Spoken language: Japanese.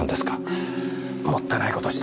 もったいない事したよ。